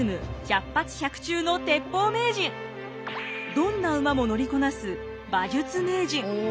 どんな馬も乗りこなす馬術名人。